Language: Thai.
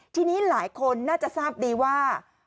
ทีนี้หลายคนน่าจะทราบดีว่า